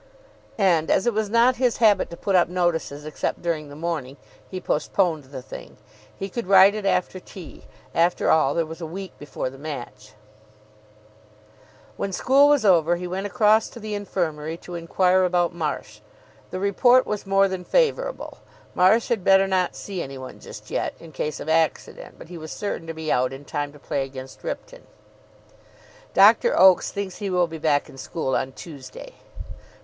And, as it was not his habit to put up notices except during the morning, he postponed the thing. He could write it after tea. After all, there was a week before the match. When school was over, he went across to the Infirmary to Inquire about Marsh. The report was more than favourable. Marsh had better not see any one just yet, In case of accident, but he was certain to be out in time to play against Ripton. "Doctor Oakes thinks he will be back in school on Tuesday."